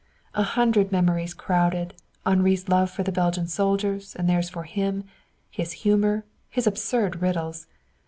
A hundred memories crowded Henri's love for the Belgian soldiers, and theirs for him; his humor; his absurd riddles.